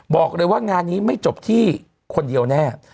บอกเลยว่างานนี้ไม่จบที่คนเดียวแน่